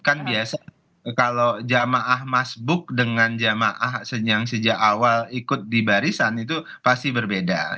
kan biasa kalau jamaah masbub dengan jamaah sejak awal ikut di barisan itu pasti berbeda